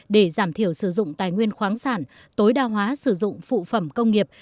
để giảm thiểu sử dụng tài nguyên khoáng sản tối đa hóa sử dụng phụ phẩm công nghiệp